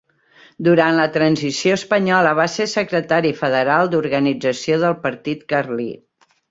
Durant la Transició Espanyola, va ser secretari federal d'Organització del Partit Carlí.